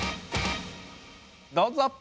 どうぞ！